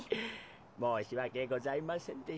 もうしわけございませんでした。